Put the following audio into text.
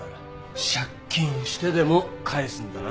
借金してでも返すんだな。